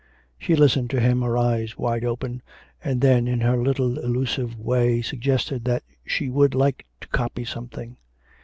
She listened to him, her eyes wide open, and then in her little allusive way suggested that she would like to copy something.